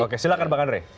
oke silakan pak andri